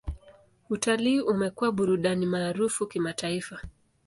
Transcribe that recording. Utalii umekuwa burudani maarufu kimataifa.